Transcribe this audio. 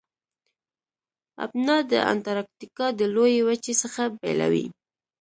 ابنا د انتارکتیکا د لویې وچې څخه بیلوي.